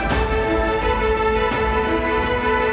สวัสดีครับสวัสดีครับ